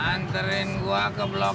anterin gua ke blok